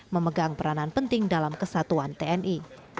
memegang peranan penting dalam kesatuan tni